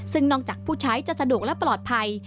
ซึ่งนอกจากผู้ใช้จะสะดวกและปลอดภัย